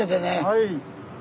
はい。